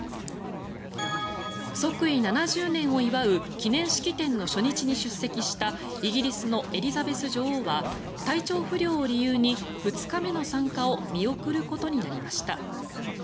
即位７０年を祝う記念式典の初日に出席したイギリスのエリザベス女王は体調不良を理由に２日目の参加を見送ることになりました。